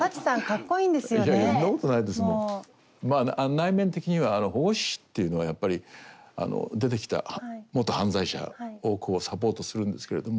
内面的にはあの保護司っていうのはやっぱり出てきた元犯罪者をサポートするんですけれども。